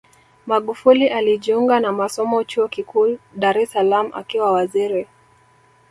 magufuli alijiunga na masomo chuo kikuu dar es salaam akiwa waziri